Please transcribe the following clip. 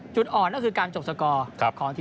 จุดอ่อนก็คือการจบกิจช่อสันนี้